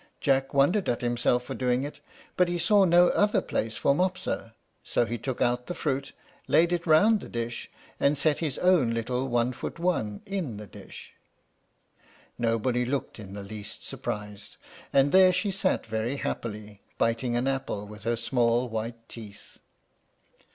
Jack wondered at himself for doing it, but he saw no other place for Mopsa; so he took out the fruit, laid it round the dish, and set his own little one foot one in the dish. Nobody looked in the least surprised; and there she sat very happily, biting an apple with her small white teeth.